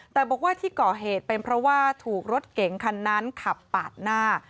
แต่บอกว่าที่ก่อเหตุเป็นเพราะว่าถูกรถเก๋งคันนั้นขับปาดหน้า